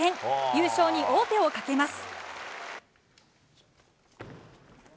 優勝に王手をかけます。